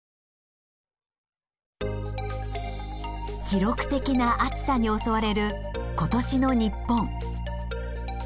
記録的な暑さに襲われる今年の日本。